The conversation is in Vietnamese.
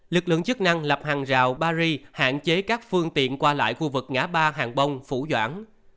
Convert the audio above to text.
lực lượng chức năng lập hàng rào barri hạn chế các phương tiện qua lại khu vực ngã ba hàng bông phủ doãn